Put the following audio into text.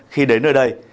khi đến nơi đây